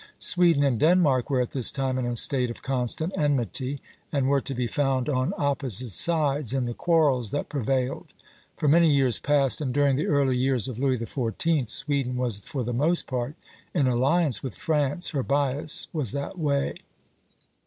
Sweden and Denmark were at this time in a state of constant enmity, and were to be found on opposite sides in the quarrels that prevailed. For many years past, and during the early wars of Louis XIV., Sweden was for the most part in alliance with France; her bias was that way.